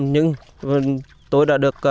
nhưng tôi đã được